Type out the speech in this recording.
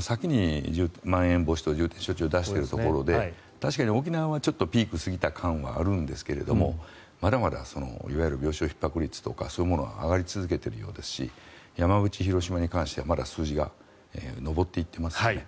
先にまん延防止等重点措置を出しているところで確かに沖縄はちょっとピークが過ぎた感があるんですがまだまだいわゆる病床ひっ迫率とかそういうものは上がり続けているようですし山口、広島に関してはまだ数字が上っていってますよね。